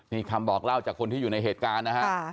นี่คำบอกเล่าจากคนที่อยู่ในเหตุการณ์นะฮะ